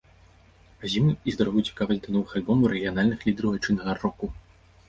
А з ім і здаровую цікавасць да новых альбомаў рэгіянальных лідэраў айчыннага року.